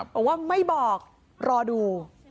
บอกว่าไม่บอกรอดู